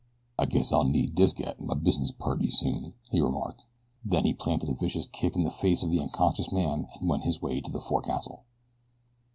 "I guess I'll need dis gat in my business purty soon," he remarked. Then he planted a vicious kick in the face of the unconscious man and went his way to the forecastle.